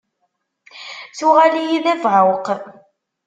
Tuɣal-iyi d abeɛɛuq.